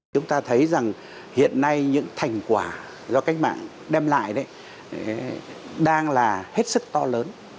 chúng ta thấy rằng hiện nay những thành quả do cách mạng đem lại đấy đang là hết sức to lớn